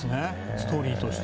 ストーリーとして。